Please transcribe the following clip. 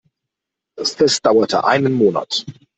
Das Fest dauerte einen Monat.